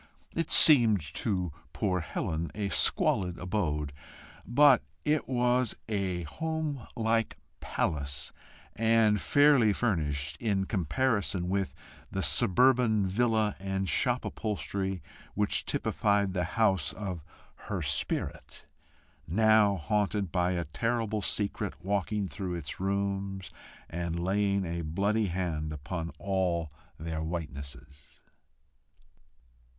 It seemed to poor Helen a squalid abode, but it was a home like palace, and fairly furnished, in comparison with the suburban villa and shop upholstery which typified the house of her spirit now haunted by a terrible secret walking through its rooms, and laying a bloody hand upon all their whitenesses.